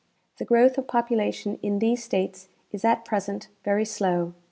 The growth of population in these states is at present very slow.